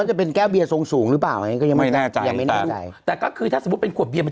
ก็ตอนแรกที่อย่างบอกว่ากล้องมือจอดปิดตอนแรกคิดว่าตัวเองโดนขวดเบียตี